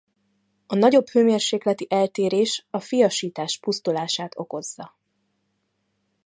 A nagyobb hőmérsékleti eltérés a fiasítás pusztulását okozza.